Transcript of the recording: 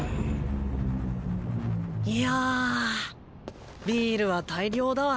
いやビールは大漁だわ